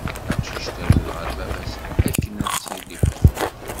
Taqcict terwel ɣer baba-s akken ad tt-iḥudd.